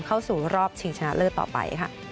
เข้าสู่รอบชิงชนะเลิศต่อไปค่ะ